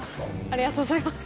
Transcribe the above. ありがとうございます。